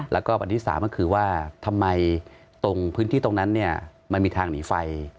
แล้วก็วันที่๓ก็คือว่าทำไมตรงพื้นที่ตรงนั้นมันมีทางหนีไฟ